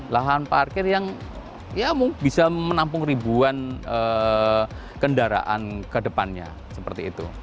lahan parkir yang bisa menampung ribuan kendaraan ke depannya seperti itu